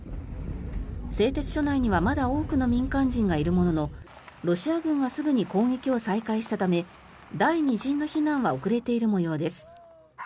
製鉄所内にはまだ多くの民間人がいるもののロシア軍がすぐに攻撃を再開したため第２陣の避難は遅れている模様です。